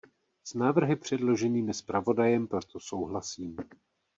S návrhy předloženými zpravodajem proto souhlasím.